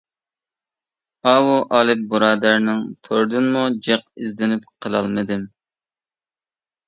ئاۋۇ «ئالىپ» بۇرادەرنىڭ تورىدىنمۇ جىق ئىزدىنىپ قىلالمىدىم.